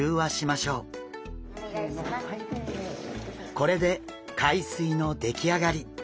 これで海水の出来上がり！